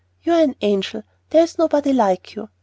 You are an angel there is nobody like you.